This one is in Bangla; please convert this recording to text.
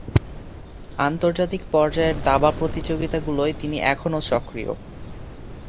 আন্তর্জাতিক পর্যায়ের দাবা প্রতিযোগিতাগুলোয় তিনি এখনও সক্রিয়।